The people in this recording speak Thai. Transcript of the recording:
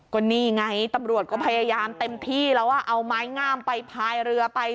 ก็นี่ไงตำรวจก็พยายามเต็มที่แล้วเอาไม้งามไปพายเรือไป